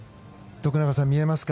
徳永さん、見えますか。